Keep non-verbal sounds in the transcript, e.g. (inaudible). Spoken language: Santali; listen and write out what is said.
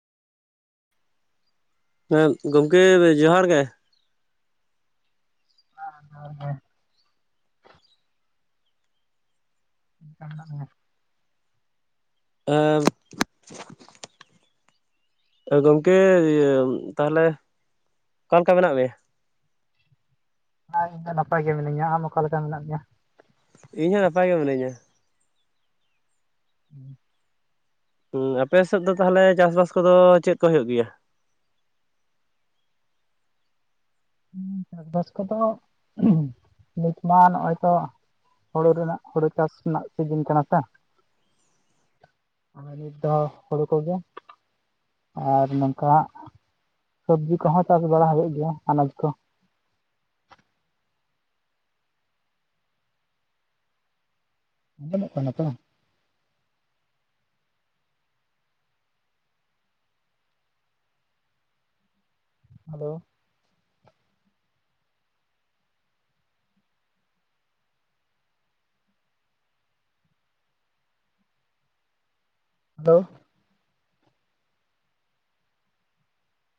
ᱦᱮᱸ ᱜᱚᱝᱠᱮ ᱡᱚᱦᱟᱨ ᱜᱮ ᱾ (unintelligible) ᱡᱚᱦᱟᱨ ᱜᱮ ᱾ ᱪᱮᱫ ᱞᱮᱠᱟ ᱢᱮᱱᱟᱜ ᱢᱮᱭᱟ᱾ (unintelligible) ᱜᱚᱝᱠᱮ ᱛᱟᱦᱚᱞᱮ ᱚᱠᱟ ᱞᱮᱠᱟ ᱢᱮᱱᱟᱜ ᱢᱮᱭᱟ? ᱦᱮᱸ ᱤᱧ ᱫᱚ ᱱᱟᱯᱟᱭ ᱜᱮ ᱢᱤᱱᱟᱹᱧᱟ, ᱟᱢ ᱚᱠᱟ ᱞᱮᱠᱟ ᱢᱮᱱᱟᱜ ᱢᱮᱭᱟ? ᱤᱧ ᱦᱚᱸ ᱱᱟᱯᱟᱭ ᱜᱮ ᱢᱤᱱᱟᱹᱧᱟ ᱾ ᱦᱮᱸ ᱦᱩᱸ ᱟᱯᱮ ᱥᱮᱫ ᱫᱚ ᱛᱟᱦᱚᱞᱮ ᱪᱟᱥ ᱵᱟᱥ ᱠᱚᱫᱚ ᱪᱮᱫ ᱠᱚ ᱦᱳᱭᱳᱜ ᱜᱮᱭᱟ? ᱦ ᱪᱟᱥᱵᱟᱥ ᱠᱚᱫᱚ ᱱᱤᱛ ᱢᱟ ᱱᱚᱜᱼᱚᱭ ᱛᱚ ᱦᱳᱲᱳ ᱨᱮᱱᱟᱜ ᱦᱳᱲᱳ ᱪᱟᱥ ᱨᱮᱱᱟᱜ ᱥᱤᱡᱤᱱ ᱠᱟᱱᱟ ᱥᱮ (inaudible) ᱱᱤᱛ ᱫᱚ ᱦᱩᱲᱩ ᱠᱚᱜᱮ ᱟᱨ ᱱᱚᱝᱠᱟ ᱦᱟᱜ ᱥᱚᱵᱡᱤ ᱠᱚᱦᱚᱸ ᱪᱟᱥ ᱵᱟᱲᱟ ᱦᱩᱭᱩᱜ ᱜᱮᱭᱟ ᱦᱟᱱᱟ (inaudible) ᱟᱸᱡᱚᱢᱚᱜ ᱠᱟᱱᱟ ᱛᱚ? Hello hello